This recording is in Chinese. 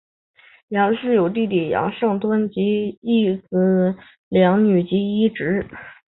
杨氏有弟弟杨圣敦及一子两女及一侄。